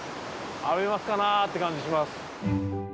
アメマスかなって感じします。